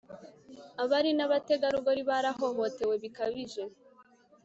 abari n'abategarugori . barahohotewe bikabije